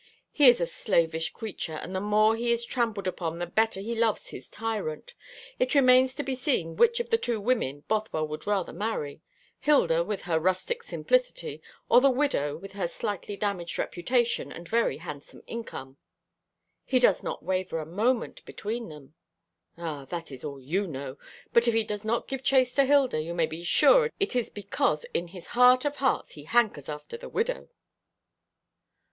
He is a slavish creature, and the more he is trampled upon the better he loves his tyrant. It remains to be seen which of the two women Bothwell would rather marry Hilda, with her rustic simplicity, or the widow, with her slightly damaged reputation and very handsome income." "He does not waver for a moment between them." "Ah, that is all you know; but if he does not give chase to Hilda, you may be sure it is because in his heart of hearts he hankers after the widow."